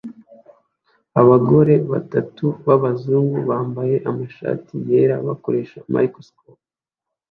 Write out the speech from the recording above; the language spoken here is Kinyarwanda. Abagore batatu b'abazungu bambaye amashati yera bakoresha microscopes